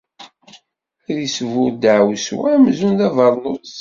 Ad isburr deɛwessu amzun d abernus.